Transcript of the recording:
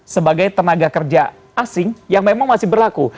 sebagai tenaga kerja asing yang memang masih berlaku